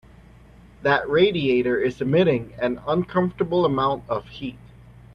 That radiator is emitting an uncomfortable amount of heat.